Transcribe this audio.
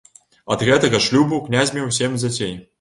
Ад гэтага шлюбу князь меў сем дзяцей.